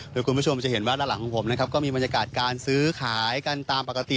โดยคุณผู้ชมจะเห็นว่าด้านหลังของผมนะครับก็มีบรรยากาศการซื้อขายกันตามปกติ